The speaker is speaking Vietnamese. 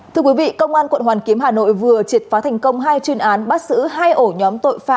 thưa quý vị công an quận hoàn kiếm hà nội vừa triệt phá thành công hai chuyên án bắt xử hai ổ nhóm tội phạm